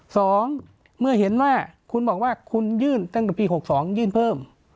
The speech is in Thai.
เมื่อเห็นว่าคุณบอกว่าคุณยื่นตั้งแต่ปีหกสองยื่นเพิ่ม